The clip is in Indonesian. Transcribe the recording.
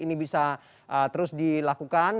ini bisa terus dilakukan